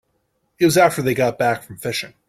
It was after they got back from fishing.